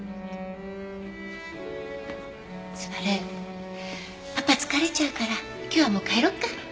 昴パパ疲れちゃうから今日はもう帰ろうか。